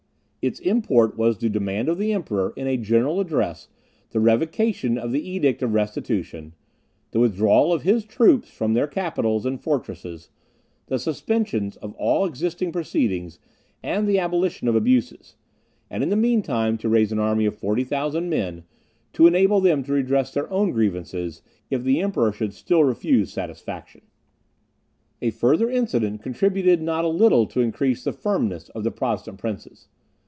Its import was to demand of the Emperor, in a general address, the revocation of the Edict of Restitution, the withdrawal of his troops from their capitals and fortresses, the suspension of all existing proceedings, and the abolition of abuses; and, in the mean time, to raise an army of 40,000 men, to enable them to redress their own grievances, if the Emperor should still refuse satisfaction. A further incident contributed not a little to increase the firmness of the Protestant princes.